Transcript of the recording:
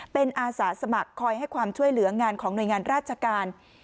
เป็นอาสาสมัครคอยให้ความช่วยเหลืองานของหน่วยงานราชการ